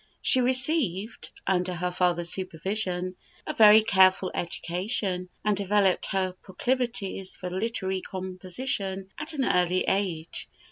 She received, under her father's supervision, a very careful education, and developed her proclivities for literary composition at an early age.